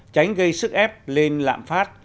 tránh gây sức ép lên lạm phát